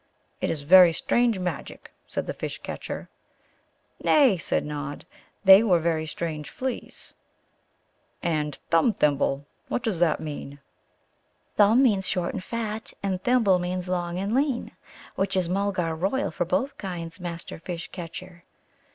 "It is very strange magic," said the Fish catcher. "Nay," said Nod; "they were very strange fleas." "And 'Thumthimble' what does that mean?" "'Thumb' means short and fat, and 'Thimble' means long and lean, which is Mulgar royal for both kinds, Master Fish catcher."